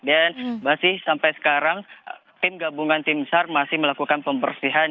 dan masih sampai sekarang tim gabungan tim besar masih melakukan pembersihan